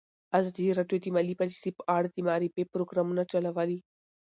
ازادي راډیو د مالي پالیسي په اړه د معارفې پروګرامونه چلولي.